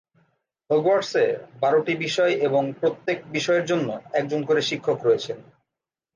হগওয়ার্টসে বারটি বিষয় এবং প্রত্যেক বিষয়ের জন্য একজন করে শিক্ষক রয়েছেন।